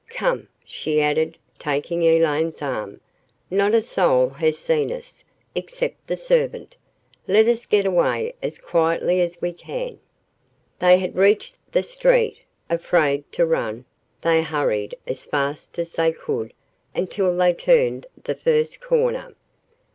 Come," she added, taking Elaine's arm, "not a soul has seen us except the servant. Let us get away as quietly as we can." They had reached the street. Afraid to run, they hurried as fast as they could until they turned the first corner.